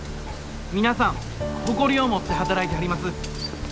皆さん誇りを持って働いてはります。